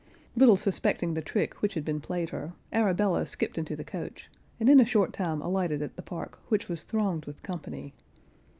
Little suspecting the trick which had been played her, Arabella skipped into the coach, and in a short time alighted at the park, which was thronged with company.